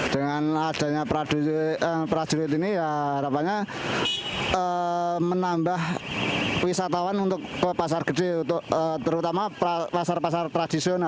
dengan adanya prajurit ini ya harapannya menambah wisatawan untuk ke pasar gede terutama pasar pasar tradisional